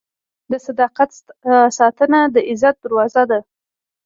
د صداقت ساتنه د عزت دروازه ده.